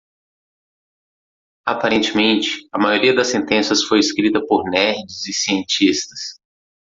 Aparentemente, a maioria das sentenças foi escrita por nerds e cientistas.